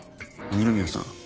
二宮さん。